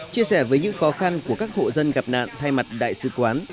chia sẻ với những khó khăn của các hộ dân gặp nạn thay mặt đại sứ quán